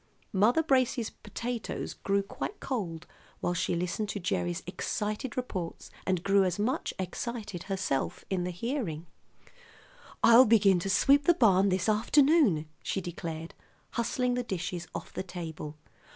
Mother Brace's potatoes grew quite cold while she listened to Gerry's excited reports, and grew as much excited herself in the hearing. "I'll begin to sweep the barn this afternoon," she declared, hustling the dishes off the table.